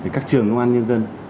các trường công an nhân dân